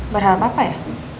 berharap apa ya